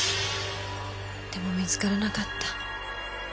でも見つからなかった。